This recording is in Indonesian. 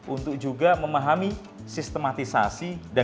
untuk juga memahami sistematisasi dan pendidikan